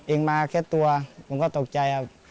เองมาแค่ตัวผมก็ตกใจครับ